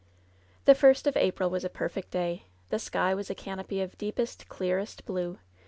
The first of April was a perfect day. The sky was a canopy of deepest, clearest blue.